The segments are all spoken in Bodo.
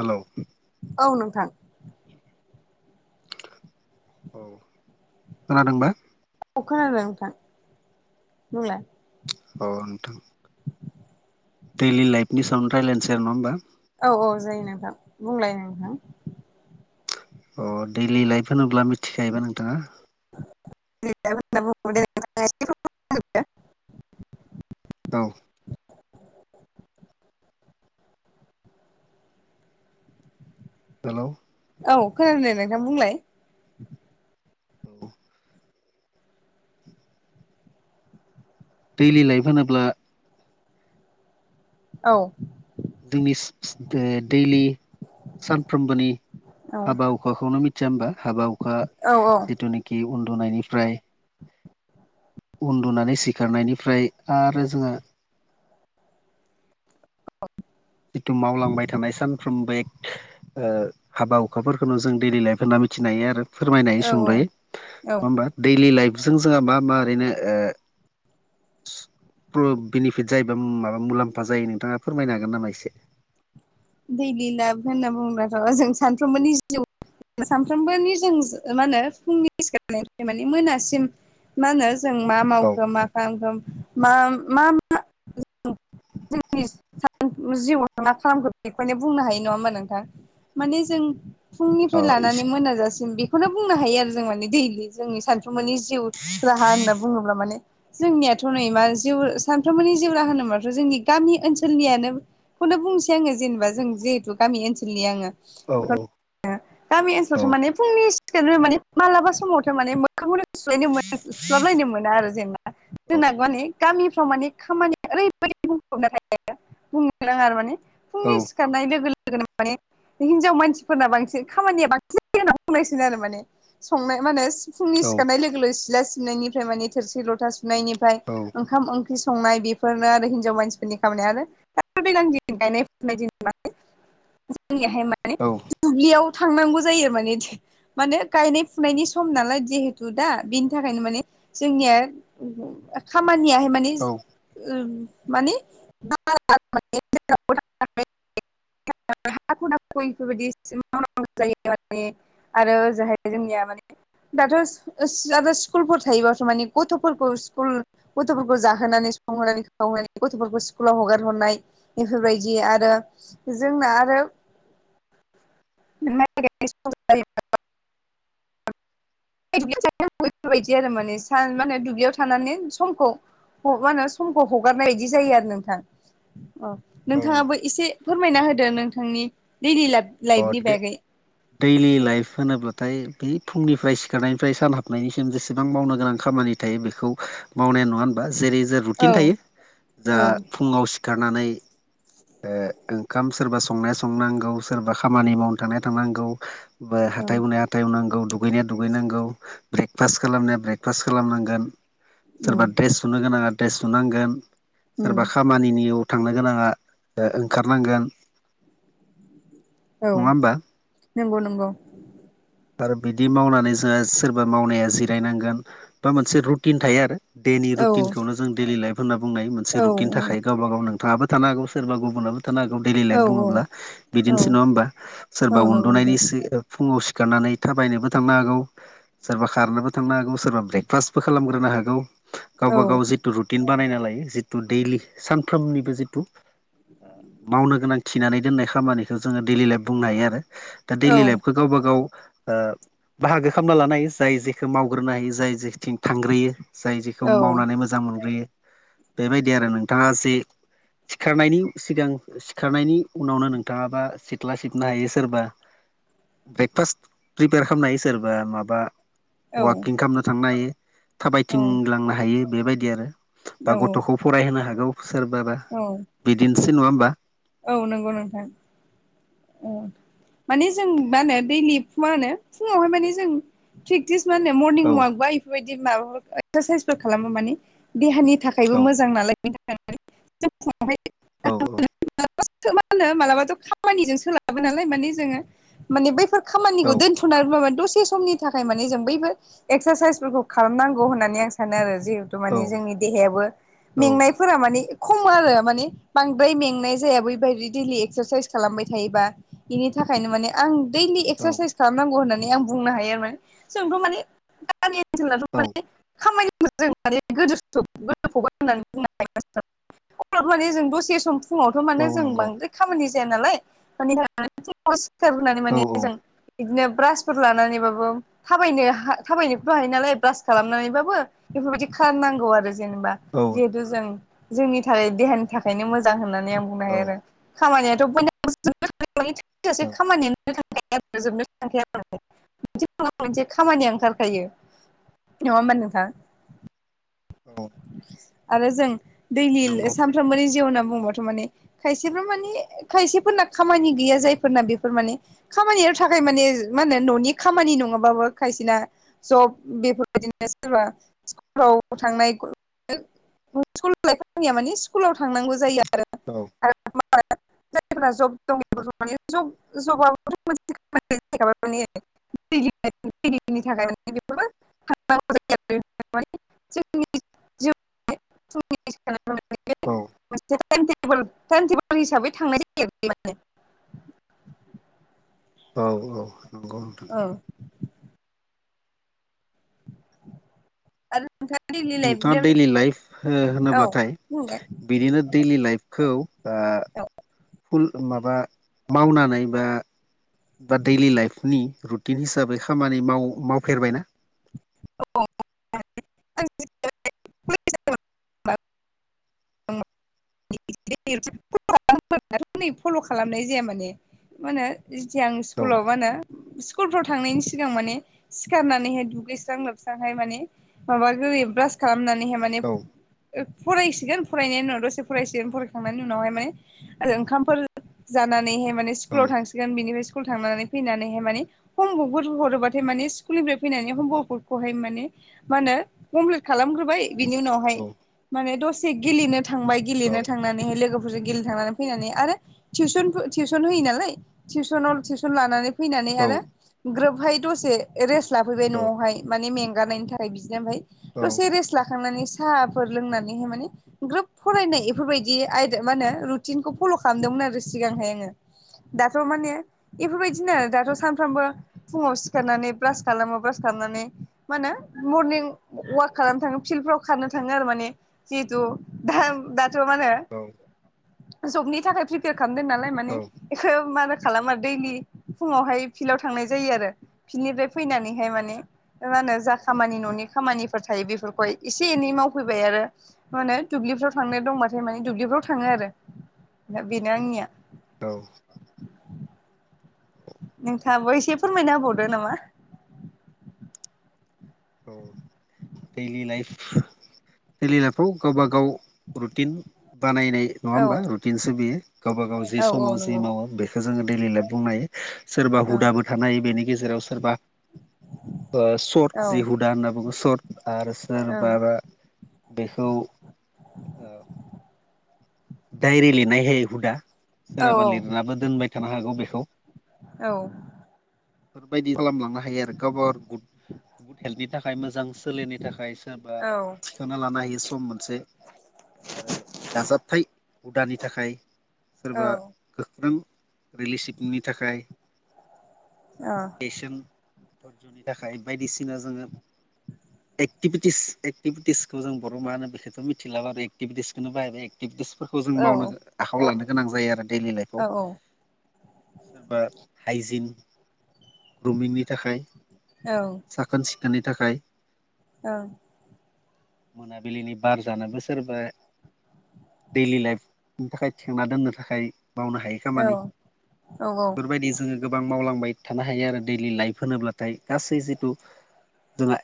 हेल' औ नोंथां बि औ खोनादोंबा अ खोनाबाय नोंथां बुंलाय औथा दैलि लाइफनि सायावनो रायलायनोसै नङा होमबा औ औ जायो नोंथां बुंलाय नोंथां अ दैडलि लाइफ होनोब्ला मिथिखायोबा नोंथाङा [unintelligible] अ दाउ हेल' औ खोनानो नोंथां बुंलाय औ दैलि लाइफ होनोब्ला औ जोंनि दैलि सानफ्रोमबोनि औ हाबा हुखाखौनो मिथिया होमबा हाबा हुखा औ जिथुनिखि कि उन्दुनायनिफ्राय उन्दुनानै सिखारनायनिफ्राय आरो जोङो द जिथु मावलांबाय थानाय सानफ्रोमबो एक हाबा हुखाफोरखौनो जों दैडलि लाइफ होनना मिथिनो हायो आरो औ फोरमायनाय सुंद्रै नङा औ होमबा दैलि लाइफजों जोंहा मा मा ओरैनो बेनिफिट जायोबा माबा मुलाम्फा जायो नोंथाङा फोरमायनो हागोन नामा एसे दैलि लाभ होनना बुङब्लाथ'ओ जों सानफ्रोमबोनि जिउ सानफ्रोमबो निजोम मा होनो फुंनि सिखारनिफ्राय मान मोनासिम मा होनो जों मा औ मावखो मा खालामखो मा मा जोंनि स जिउआव मा खालामग्र बेखौायनो बुंनो हायो नङा होमबा नोंथां माने जों फुंनिफ्राय औ लानानै एसे मोनाजासिम बे बेखौनो बुंनो हायो आरो जों माने दैलि जोंनि सानफ्रुमनि जिउ राहा होनना बुङोब्ला माने जोंनियाथ' नै मा जि सानफ्रोमबोनि जिउरा होनोबाथ' जोंनि गामि ओनसोलनियानो खौनो बुंसै आङो जेनेबा जों जिहेतु गामि ओनसोलनि आङो औ बेखौ औ गामि औ ओनसोलावथ' माने फुंनि सिखारग्रो माने मालाबा समावथ' माने मोखांखनो [unintelligible] सुस्लाबलायनो मोना आरो औ जेनेबा [unintelligible] गामिफ्राव माने खामानिया ओरैबायदि बुंफबनो हायो बुंनो राङा माने औ फुंनि खारनाय लोगो लोगोनो माने हिनजाव मानसिफोरना बांसिन खामानिया बांसिन [unintelligible] [unintelligible] आरो माने संनाय माने फुंनि सिखारनाय लोगो लोगो सिला सिबनायनिफ्राय माने थोरसि लथा सुनायनिफ्रायं औ ओंखाम ओंख्रि संनाय बेफोरनो आरो हिनजाव मानसिफोरनि खामानि आरो [unintelligible] बेबायदिनो मे जोंनिहाय माने औ दुब्लियाव थांनांगौ जायो माने माने गायनाय फुनायनि सम नालाय जिहेथु दा बेनि थाखायनो माने जोंनिया खामानियाहाय औ मानि [unintelligible] [unintelligible] [unintelligible] आरो ओजोहाय जोंनिया माने दाथ' [unintelligible] स्कुलफोर थायोबाथ' माने गथ'फोरखौ स्कुल गथ'फोरखौ जाहोनानै संहोनानै खावहोनाय गथ'फोरखौ स्कुलाव हगार हरनाय बेफोरबायदि आरो जोंना आरो [unintelligible] [unintelligible] माने सान माने दुब्लियाव थानानै समखौ मा होनो समखौ हगारनाय बायदि जायो आरो नोंथां। औ नोंथाङाबो एसे फोरमायना होदो नोंथांनि दैडलि लाइफनि अ बागै दैलि लाइफ होनोब्लाथाय बे फुंनिफ्राय सिखारनायनिफ्राय सान हाबनायनिसिम जेसेबां मावनो गोनां खामानि थायो बेखौ मावनाया नङा होनबा जेरै जो औ रुटिन थायो जा औ फुङाव सिखारनानै ओ ओंखाम सोरबा संनाय संनांगौ सोरबा खामानि मावनो थांनाय थांनांगौ बा औ हाथाय हुनाया हाथाय हुनांगौ, दुगैनाया दुगैनांगौ, ब्रेकफास्ट खालामनाया ब्रेकफास्ट खालामनांगोन उम सोरबा ड्रेस सुनो गोनाङा ड्रेस सुनांगोन, उम सोरबा खामानिनियाव थांनो गोनाङा ओंखारनांगोन औ नङा होमबा नंगौ नंगौ आरो बिदि मावनानै जोंहा सोरबा मावनाया जिरायनांगोन बा मोनसे रुटिन थायो आरो बेनि औ रुटिनखौनो जों डेलि लाइफ होनना बुंनाय मोनसे रुटिन थाखाय गावबा गाव नों थाबो थानो हागौ सोरबा गुबुनाबो थानो हागौ डेलि औ लाइफ बुङोब्ला औ बिदिनोसै नङा होमबा औ सोरबा नंगौ नोंथां उन्दुनायनिसो फुङाव सिखारनानै थाबायनोबो थांनो हागौ सोरबा खारनोबो थांनो हागौ सोरबा ब्रेकफास्टबो खालामग्रोनो हागौ औ गावबा गाव जिथु रुटिन बानायना लायो जिथु दैलि सानफ्रोमनिबो जिथु मावनो गोनां खिनानै दोननाय खामानिखौ जोङो दैडलि लाइफ बुंनो हायो आरो। दा औ दैडलि लाइफखौ गावबा गाव ओ बाहागो खालामना लानो हायो जाय जेखौ मावग्रोनो हायो जाय जेथिं थांग्रोयो जाय जेखौ औ मावनानै मो जां मोनग्रोयो बेबायदि आरो नोंथाङा जे सिखारनायनि सिगां सिखारनायनि उनावनो नोंथाङाबा सिथ्ला सिबनो हायो सोरबा ब्रेकफास्ट प्रिपेयार खालामनो हायो सोरबा माबा औ वाकिं खालामनो थांनो हायो थाबायथिंलांनो हायो बेबायदि आरो बा गथ'खौ फरायहोनो हागौ सोरबाबा औ दिनसे नङाम्बा? औ नंगौ नोंथां औ माने जों मा होनो दैलि फुङनो फुङावहाय माने जों प्रेक्टिस मा होनो मरनिं औ अवाक बा इफोरबायदि माबाफोर एक्सारसाइसफोर खालामो मानिे देहानि थाखायबो औ मोजां नालाय बेनि थाखाय जों औ फुङावहाय मा मा होनो मालाबाथ' खामानिजों सोलाबो नालाय माने जोङो माने बैफोर खामानिखौ औ दोनथ'नानैबाबो माने दसे समनि थाखाय मे जों बैबो एक्सारसाइसफोरखौ खालामनांगौ होननानै आं सानो आरो जिहेतु औ माने औ जोंनि देहायाबो औ मेंनायफोरा माने खम आरो माने बांद्राय मेंनाय जाया बैबायदि दैलि एक्सारसाइस खालामबाय थायोबा बेनि थाखायनो माने आं दैलि औ एक्सारसाइस खालामनांगौ होननानै आं बुंनो हायो आरोमाने जोंथ' माने गामि ओनसोलनाथ' औ माने [unintelligible] अर माने जों दसे सम फुङावथ' औ माने जों नंगौ बांद्राय खामानि जाया नालाय मानिे औ [unintelligible] बिदिनो ब्रासफोर लानानैबाबो थाबायनो हा थाबायनोबो हायो नालाय ब्रास खालामनानैबाबो बेफोरबायदि खालामनांगौ आरो जेनेबा औ जिहेथु जों जोंनि थाखाय देहानि थाखायनो मोजां होननानै आं बुंनो औ हायो आरो खामानियाथ' [unintelligible] [unintelligible] मोनसे‌‌ औ नङा मोनसे खामानिया ओंखारखायो नंङा होमबा नोंथां औ आरो जों दैलि नंगौ सानफ्रोमबोनि जिउ होनना बुंबाथ' माने खायसेफ्रा माने खायसेफोरना खामानि गैया जायफोरना बेफोर माने खामानियाव थाखाय माने मा होनो न'नि खामानि नङाबाबो खायसेना जब बेफोरबायदिनो सोरबा स्कुलफ्राव थांनाय [unintelligible] मानि स्कुलाव थांनांगौ जायो आरो औ [unintelligible] जायफोरा जब दङ माने ज जबथ' मोनसे खामानिना [unintelligible] [unintelligible] [unintelligible] औ हिसाबै थांनाय जायो माने औ औ नंगौ नोंथां औ आरो नोंथाङा दैलि लाइफ नोंथाङा दैयलि लाइफ औ हो-होनोब्लाथाय बुंलाय बिदिनो दैलि लाइफखौ औ फुल माबा मावनानै बा बा दैयलि लाइफनि रुटिन हिसाबै खामानि माव- मावफेरबायना [unintelligible] औ [unintelligible] फल' खालामनाय जाया माने माहोनो जेथिया आं औ स्कुलाव मा होनो स्कुलफ्राव थांनायनि सिगां माने सिखारनानैहाय दुगैस्रां लोबस्रांहाय माने माबा गोरै ब्रास खालामनानैहाय माने औ फरायसिगोन फरायनायनि उनाव दसे औ फरायसिगोन फरायखांनायनि उनावहाय माने ओंखामफोर जानानैहाय माने औ स्कुलाव थांसिगोन बिनिफ्राय स्कुल थांनानै फैनानैहाय माने हमवर्कफोर हरोबाथाय माने स्कुल निफ्राय फैनानै हमवर्कफोरखौहाय माने मा होनो कमप्लिट खालामग्रोबाय बिनि उनावहाय माने दसे गेलेनो थांबाय औ गेलेनो थांनानैहाय लोगोफोरजों गेलेनो थांनानै फैनानै आरो टिउसन टिउसन होयो नालाय टिउसनाव टिउसन लानानै फैनानै औ आरो ग्रोबहाय दसे रेस्ट लाफैबाय न'आवहाय माने मेंगानायनि थाखाय बिदिनो ओमफ्राय दसे रेस्ट लाखांनानै साहाफोर लोंनानैहाय माने ग्रोब फरायनाय इफोरबायदि आयदा मा होनो रुटिनखौ फल' खालामदोंमोन आरो सिगांहाय आङो दाथ' माने बेफोरबायदिनो दाथ' सानफ्रामबो फुङाव सिखारनानै ब्रास खालामो ब्रास खालामनानै मा होनो मरनिं वाक खालामनो थाङो फिल्डफ्राव खारनो थाङो आरो माने जिहेतु दा दाथ' मानो औ जबनि थाखाय प्रिपेयार खालामदों नालाय माने औ बेखौ मारो खालामो दैलि फुङावहाय फिल्डाव थांनाय जायो आरो बिनिफ्राय फैनानैहाय माने मा होनो जा खामानि न'नि खामानिफोर थायो बेफोरखौहाय एसे एनै मावफैबाय आरो मा होनो दुब्लिफ्राव थांनाय दंबाथाय माने दुब्लिफ्राव थाङो आरो दा बेनो आंनिया औ नोंथाङाबो एसे फोरमायना होबावदो नामा औ डेलि लइफ रेलनायफ्राव गावबा गाव रुटिन बानायनाय नङा औ होमबा रुटिनसो बियो गावबा गाव जि औ औ समाव जि नंगौ मावो बेखौो जोङो दैडलि लाइफ बुंनो हायो सोरबा ओं हुदाबो थानो हायो बेनि गेजेराव सोरबा स औ जि ओं हुदा होनना बुङो सट आरो सोरबाबा बेखौ डायरि लिनायहाय हुदा औ सोरहाबा लिरनाबो दोनबाय थानो हागौ बेखौ औ औ बेबायदि खालामलांनो हायो आरो गावबो गु गुड हेल्थनि थाखाय मोजां सोलेरनि थाखाय सोरबा थिखांना लानो हायो सम मोनसे आरो दाजाबथाय हुदानि थाखाय सोरबा गोख्रों रिलेसिपनि थाखाय सोरबा पेसन धर्जनि थाखाय बायदिसिना जोङो एक्टिभिटिस एक्टिभिटिसखौ जों बर' मा होनो बेखौथ मिथिलाबाय आरो एक्टिभिटिसखौनो बाहायबाय एक्टिभिटिस खौ जों मावनो आखायावआव लानो गोनां जायो आरो दैडलि लाइफआव सोरबा हाइजिन ग्रमिंनि थाखाय औ साखोन सिखोननि थाखाय औ मोनाबिलिनि बार जानोबो सोरबा दैडलि लाइफनि थाखाय थेंना दोननो थाखाय बावनो हायो खामानि औ औ बेफोरबायदि जोङो गोबां मावलांबाय थानो हायो आरो दैलि लाइफ होनोब्लाथाय गासै जिथु जोंना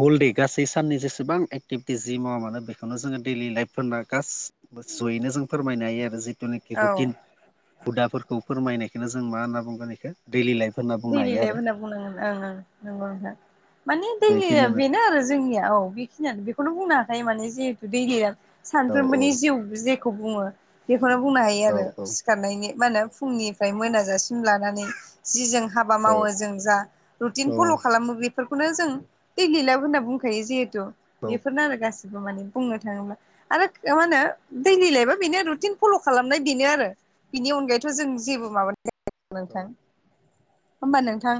हलदे गासै साननि जेसेबां एक्टिभिटि जि मावा मानो बेखौनो जोङो दैलि लाइफफोरना गाससिबो ज'यैनो जों फोरमायनो हायो आरो जि औ रुथिन हुदाफोरखौ फोरमायनायखौ जों मा होनना बुंगोन बेखौ दैलि लाइफ होनना बुंनो दैलि हायो लेफ आरो होनना बुंनांगोन ओं ओं नंगौना माने दै बेखिनियानो बेनो आरो जोंनिया औ खिनियानो बेखौनो बुंनो हाखायो माने जिहेतु दै गया औ औ सानफ्रोमबोनि जिउ जेखौ बुङो बेखौनो बुंनो हायो औ आरो सिखारनायनि मा होनो फुंनि फ्राय मोनाजासिम लानानै जि जों हाबा औ मावो जों जा रुटिन औ फल' खालामो बे बेफोरखौनो जों दैलिलाब होनना बुंखायो जिहेथु औ बेफोरनो आरो गासिबो माने बुंनो थाङोब्ला आरो मा होनो दैलि लइबा बेनो रुटिन फल' खालामनाय बेनो आरो बिनि अनगायैथ' जों जेबो माबानाय औ नोंथां होमबा नोंथां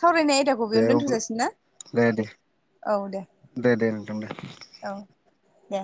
सावरायनाय आयदाखौ दे बेयावनो अब्ला दोनथ'जासिोन ना दे दे औ दे दे दे नोंथां दे औ दे